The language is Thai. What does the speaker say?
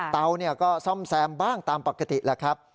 เตาเนี่ยก็ซ่อมแซมบ้างตามปกติแหละครับ